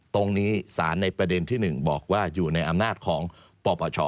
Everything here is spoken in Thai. ตรงนี้สารในประเด็นที่๑บอกว่าอยู่ในอำนาจของปปช